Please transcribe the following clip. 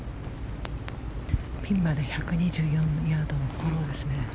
ピンまで１２４ヤードのフォローですね。